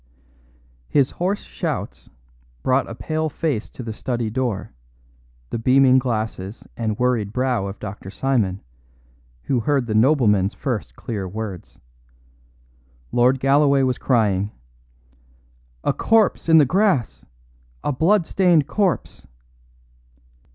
His hoarse shouts brought a pale face to the study door, the beaming glasses and worried brow of Dr. Simon, who heard the nobleman's first clear words. Lord Galloway was crying: "A corpse in the grass a blood stained corpse."